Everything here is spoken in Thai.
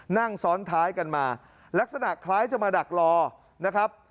นั่งซ้อนท้ายกันมาลักษณะคล้ายจะมาดักรอนะครับ